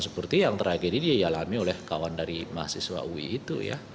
seperti yang terakhir ini dialami oleh kawan dari mahasiswa ui itu ya